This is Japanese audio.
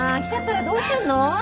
来ちゃったらどうすんの？